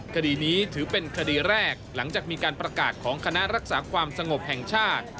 คดีนี้ถือเป็นคดีแรกหลังจากมีการประกาศของคณะรักษาความสงบแห่งชาติ